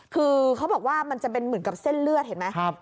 คือเขาบอกว่ามันจะเป็นเหมือนกับเส้นเลือดเห็นไหม